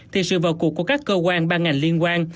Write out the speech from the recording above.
thì sự vào cuộc của các cơ quan ban ngành liên quan